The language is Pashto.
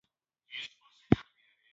د استوګنې خوندیتوب